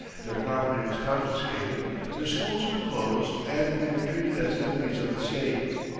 Their property was confiscated, their schools were closed, and they were treated as enemies of the state.